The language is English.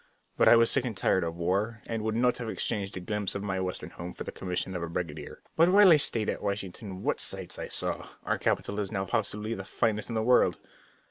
But I was sick and tired of war, and would not have exchanged a glimpse of my Western home for the commission of a brigadier. But while I stayed in Washington what sights I saw! Our capital is now possibly the finest in the world.